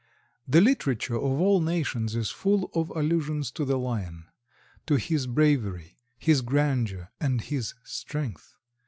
The literature of all nations is full of allusions to the Lion; to his bravery, his grandeur and his strength.